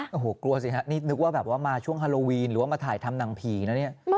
โอ้โหกลัวสิฮะนี่นึกว่าแบบว่ามาช่วงฮาโลวีนหรือว่ามาถ่ายทำหนังผีนะเนี่ย